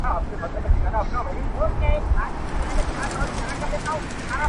کورونا جدي وګڼئ!!!